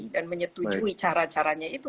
dan menyetujui cara caranya itu